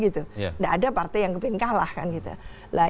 tidak ada partai yang ingin kalah